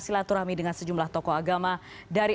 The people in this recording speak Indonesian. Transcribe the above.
silaturahmi dengan sejumlah tokoh agama dari